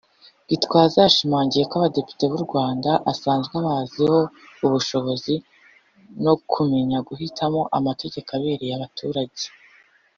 Gitwaza yashimangiye ko Abadepite b’u Rwanda asanzwe abaziho ubushishozi no kumenya guhitamo amategeko abereye abaturage